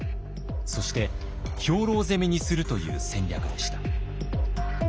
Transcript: そして兵糧攻めにするという戦略でした。